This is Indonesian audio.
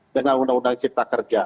dengan undang undang cipta kerja